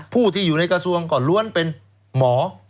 ผู้ที่อยู่ในกระทรวงก็ล้วนเป็นหมอ